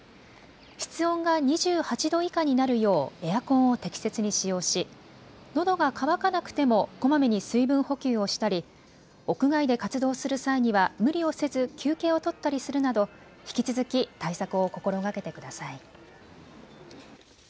室温が２８度以下になるようエアコンを適切に使用しのどが渇かなくてもこまめに水分補給をしたり屋外で活動する際には無理をせず休憩を取ったりするなど引き続き対策を心がけてください。